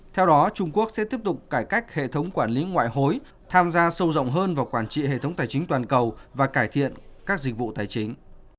theo đó trung quốc sẽ tiếp tục cải cách hệ thống quản lý ngoại hối tham gia sâu rộng hơn vào quản trị hệ thống tài chính toàn cầu và cải thiện các dịch vụ tài chính